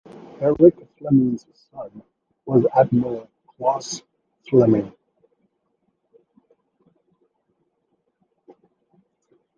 Erik Fleming's son was Admiral Klaus Fleming.